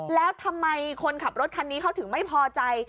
แล้วทำไมคนขับรถคันนี้เขาถึงไม่พอใจ